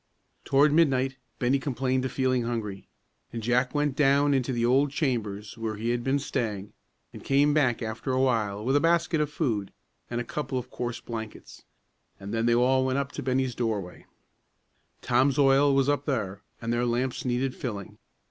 Toward midnight Bennie complained of feeling hungry, and Jack went down into the old chambers where he had been staying, and came back after a while with a basket of food and a couple of coarse blankets, and then they all went up to Bennie's doorway. Tom's oil was up there, and their lamps needed filling.